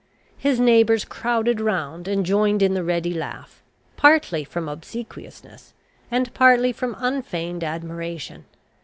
His neighbours crowded round, and joined in the ready laugh, partly from obsequiousness, and partly from unfeigned admiration.